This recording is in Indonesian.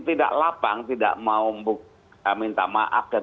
tidak lapang tidak mau minta maaf